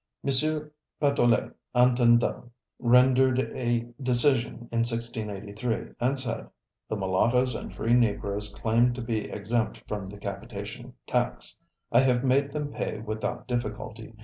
M. Patoulet, Intendent, rendered a decision in 1683 and said: "The Mulattoes and free Negroes claimed to be exempt from the capitation tax: I have made them pay without difficulty.